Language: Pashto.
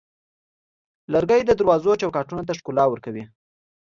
لرګی د دروازو چوکاټونو ته ښکلا ورکوي.